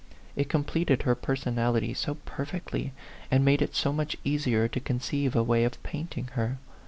It completed her personality so per fectly, and made it so much easier to con ceive a way of painting her.